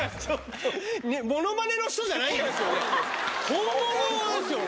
本物ですよね？